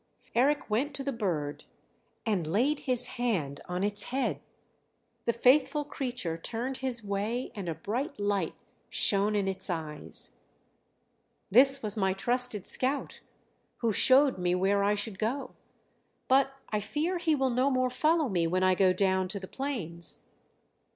Eric went to the bird and laid his hand on its head; the faithful creature turned his way and a bright light shone in its eyes. "This was my trusted scout, who showed me where I should go; but I fear he will no more follow me when I go down to the plains.